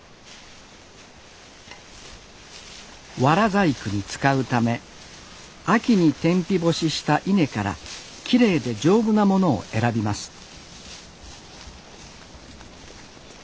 藁細工に使うため秋に天日干しした稲からきれいで丈夫なものを選びます